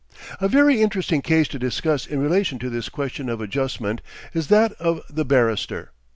... A very interesting case to discuss in relation to this question of adjustment is that of the barrister.